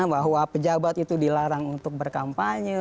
bahwa pejabat itu dilarang untuk berkampanye